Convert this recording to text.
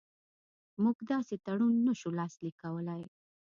موږ داسې تړون نه شو لاسلیک کولای.